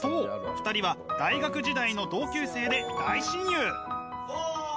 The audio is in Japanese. ２人は大学時代の同級生で大親友。